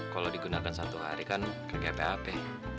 kalau digunakan satu hari kan kerja apa apa